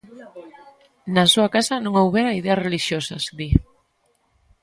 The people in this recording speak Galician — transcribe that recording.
Na súa casa non houbera ideas relixiosas, di.